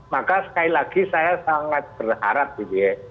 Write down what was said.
maka sekali lagi saya sangat berharap gitu ya